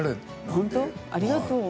ありがとう。